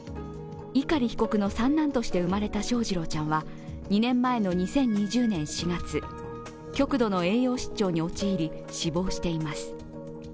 碇被告の三男として生まれた翔士郎ちゃんは２年前の２０２０年４月、極度の栄養失調に陥り、死亡しています。